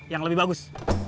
yang lebih bagus